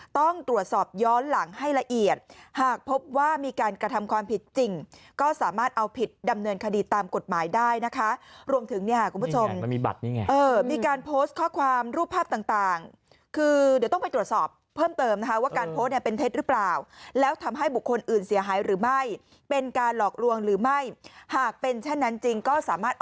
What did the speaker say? ต้องตรวจสอบย้อนหลังให้ละเอียดหากพบว่ามีการกระทำความผิดจริงก็สามารถเอาผิดดำเนินคดีตามกฎหมายได้นะคะรวมถึงเนี่ยคุณผู้ชมมันมีบัตรนี่ไงเออมีการโพสต์ข้อความรูปภาพต่างคือเดี๋ยวต้องไปตรวจสอบเพิ่มเติมนะคะว่าการโพสต์เนี่ยเป็นเท็จหรือเปล่าแล้วทำให้บุคคลอื่นเสียหายหรือไม่เป็นการหลอกลวงหรือไม่หากเป็นเช่นนั้นจริงก็สามารถ